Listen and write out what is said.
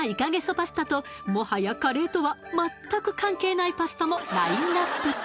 パスタともはやカレーとは全く関係ないパスタもラインナップ